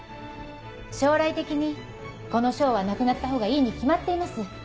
将来的にこの賞はなくなったほうがいいに決まっています。